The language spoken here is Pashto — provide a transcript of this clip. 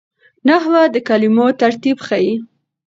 نحوه د کلمو ترتیب ښيي.